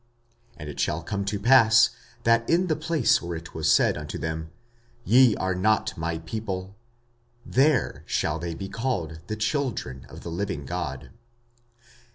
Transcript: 45:009:026 And it shall come to pass, that in the place where it was said unto them, Ye are not my people; there shall they be called the children of the living God.